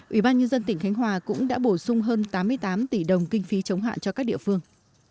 ủy ban nhân dân tỉnh khánh hòa cũng đã bổ sung hơn tám mươi tám tỷ đồng kinh phí chống hạn cho các địa phương